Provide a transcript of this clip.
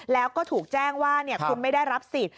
แล้วก็ถูกแจ้งว่าคุณไม่ได้รับสิทธิ์